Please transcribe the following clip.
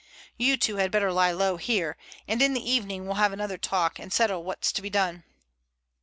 You two had better lie low here, and in the evening we'll have another talk and settle what's to be done."